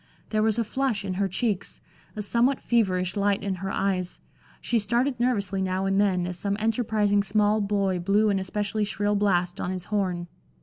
There was a flush in her cheeks, a somewhat feverish light in her eyes; she started nervously now and then as some enterprising small boy blew an especially shrill blast on his horn.